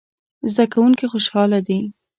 زده کوونکي خوشحاله دي